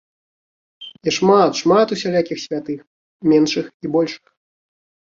І шмат, шмат усялякіх святых, меншых і большых!